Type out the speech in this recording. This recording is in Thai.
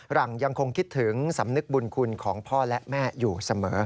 หลังยังคงคิดถึงสำนึกบุญคุณของพ่อและแม่อยู่เสมอ